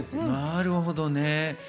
なるほどね。